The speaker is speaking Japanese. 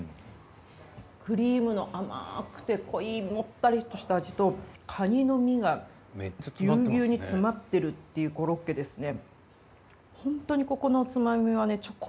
クリームの甘くて濃いもったりとした味とカニの身がギュウギュウに詰まってるっていうコロッケですね。